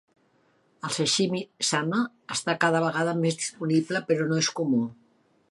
El sashimi "Sanma" està cada vegada més disponible però no és comú.